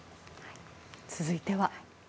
続いては。